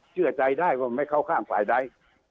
เชื่อใจได้ว่าไม่เข้าข้างฝ่ายใด